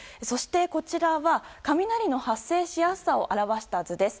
こちらは、雷の発生しやすさを表した図です。